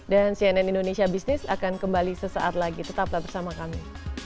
dan cnn indonesia bisnis akan kembali sesaat lagi tetaplah bersama kami